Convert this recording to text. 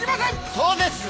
そうです。